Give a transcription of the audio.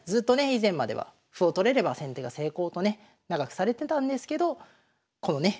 以前までは歩を取れれば先手が成功とね長くされてたんですけどこのね